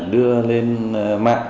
đưa lên mạng